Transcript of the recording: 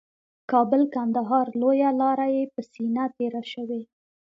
کابل قندهار لویه لاره یې په سینه تېره شوې